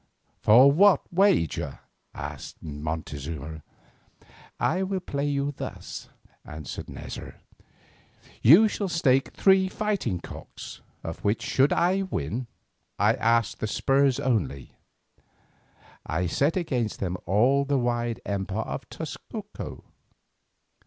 "For what wager?" asked Montezuma. "I will play you thus," answered Neza. "You shall stake three fighting cocks, of which, should I win, I ask the spurs only. I set against them all the wide empire of Tezcuco."